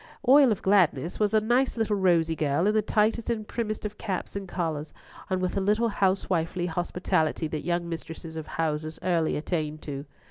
Oil of Gladness was a nice little rosy girl in the tightest and primmest of caps and collars, and with the little housewifely hospitality that young mistresses of houses early attain to.